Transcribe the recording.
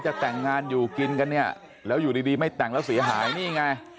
จะแต่งงานอยู่กินกันเนี่ยแล้วอยู่ดีไม่แต่งแล้วเสียหายนี่ไง